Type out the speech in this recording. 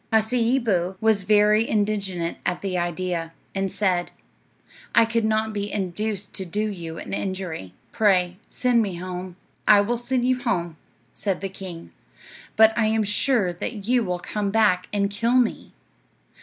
Hasseeboo was very indignant at the idea, and said, "I could not be induced to do you an injury. Pray, send me home." "I will send you home," said the king; "but I am sure that you will come back and kill me."